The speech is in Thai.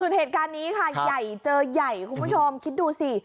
ส่วนเหตุการณ์นี้ค่ะใหญ่เจอใหญ่คุณผู้ชมคิดดูสิ